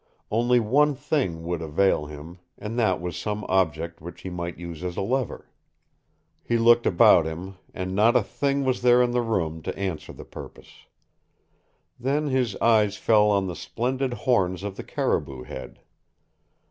Only one thing would avail him, and that was some object which he might use as a lever. He looked about him, and not a thing was there in the room to answer the purpose. Then his eyes fell on the splendid horns of the caribou head.